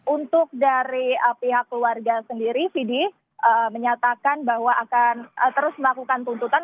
untuk dari pihak keluarga sendiri fidi menyatakan bahwa akan terus melakukan tuntutan